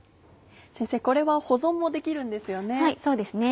先生これは保存もできるんですよね。